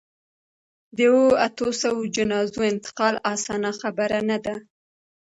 د اوو، اتو سووو جنازو انتقال اسانه خبره نه ده.